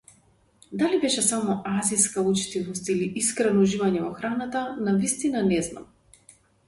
Дали беше само азиска учтивост или искрено уживање во храната навистина не знам.